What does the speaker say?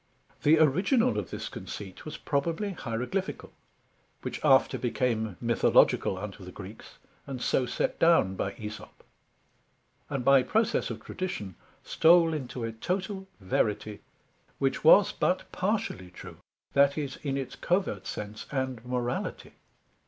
The original of this conceit was probably Hieroglyphical, which after became Mythological unto the Greeks, and so set down by Æsop; and by process of tradition, stole into a total verity, which was but partially true, that is in its covert sense and Morality.